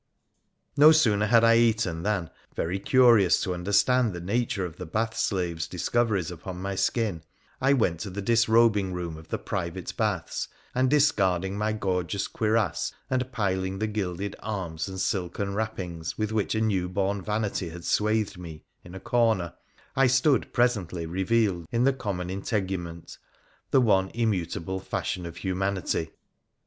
No sooner had I eaten than, very curious to understand the nature of the bath slave's discoveries upon my skin, I went to the disrobing room of the private baths, and, discard ing my gorgeous cuirass, and piling the gilded arms and silken wrappings with which a new born vanity had swathed me, in a corner, I stood presently revealed in the common integu ment — the one immutable fashion of humanity.